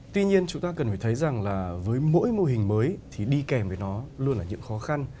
tuy nhiên chúng ta cần phải thấy rằng là với mỗi mô hình mới thì đi kèm với nó luôn là những khó khăn